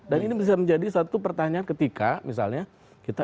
dan ini bisa menjadi satu pertanyaan ketika misalnya